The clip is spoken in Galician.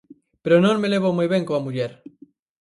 Pero non me levo moi ben coa muller.